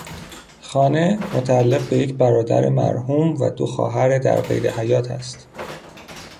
خانه، متعلق به یک برادر مرحوم و دو خواهر در قید حیات است.